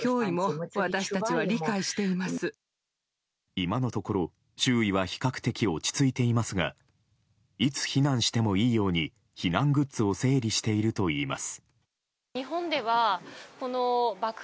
今のところ、周囲は比較的落ち着いていますがいつ避難してもいいように避難グッズを整理しているといいます。